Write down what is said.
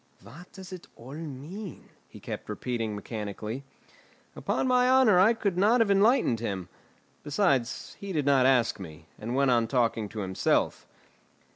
"What does it all mean?" he kept repeating mechanically. Upon my honour I could not have enlightened him. Besides he did not ask me, and he went on talking to himself.